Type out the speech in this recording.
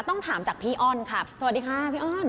ต้องถามจากพี่อ้อนค่ะสวัสดีค่ะพี่อ้อน